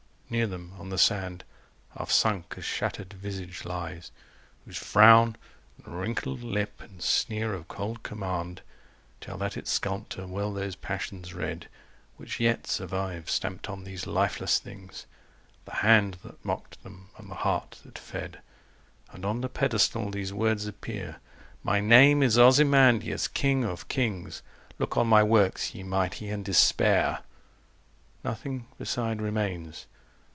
. Near them, on the sand, Half sunk, a shattered visage lies, whose frown, And wrinkled lip, and sneer of cold command, Tell that its sculptor well those passions read Which still survive, stamped on these lifeless things, The hand that mocked them, and the heart that fed; And on the pedestal these words appear: "My name is Ozymandias, king of kings: Look on my works, ye Mighty, and despair!" Nothing beside remains.